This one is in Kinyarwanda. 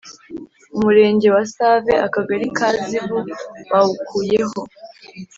Umurenge wa Save Akagari ka Zivu bawukuyeho